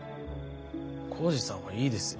耕治さんはいいですよ。